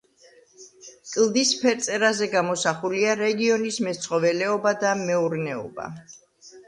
კლდის ფერწერაზე გამოსახულია რეგიონის მეცხოველეობა და მეურნეობა.